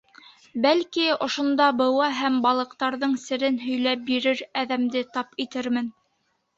— Бәлки, ошонда быуа һәм балыҡтарҙың серен һөйләп бирер әҙәмде тап итермен!